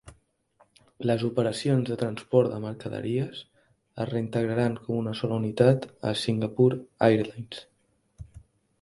Les operacions de transport de mercaderies es reintegraran com una sola unitat a Singapore Airlines.